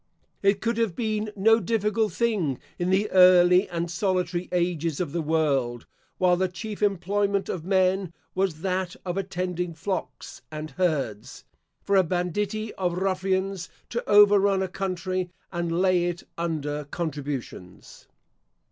It could have been no difficult thing in the early and solitary ages of the world, while the chief employment of men was that of attending flocks and herds, for a banditti of ruffians to overrun a country, and lay it under contributions.